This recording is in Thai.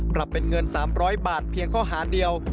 ปรับเป็นเงิน๓๐๐บาทเพียงข้อหาเดียว